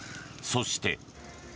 そして。